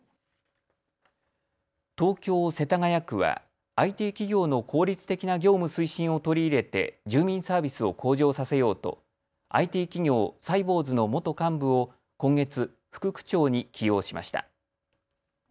東京世田谷区はＩＴ企業の効率的な業務推進を取り入れて住民サービスを向上させようとＩＴ企業、サイボウズの元幹部を今月、副区長に起用しました。